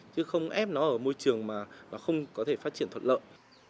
chứ không ép nó ở môi trường mà nó không có thể phát triển thuận lợi